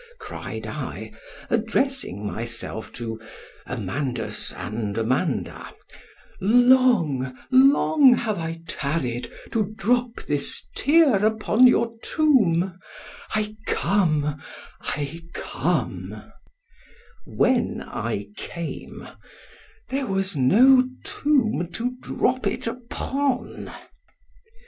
cried I, addressing myself to Amandus and Amanda—long—long have I tarried to drop this tear upon your tomb——I come——I come—— When I came—there was no tomb to drop it upon.